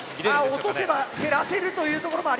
落とせば減らせるというところもありますね。